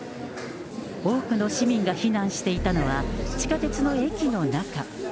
多くの市民が避難していたのは、地下鉄の駅の中。